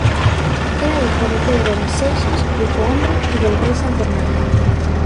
Era hijo de Pedro das Seixas, Ricohombre del rey San Fernando.